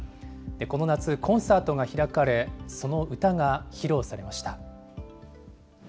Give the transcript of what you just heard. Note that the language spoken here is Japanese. この夏、コンサートが開かれ、その歌が披露されました。